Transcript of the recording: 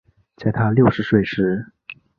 在她六十岁时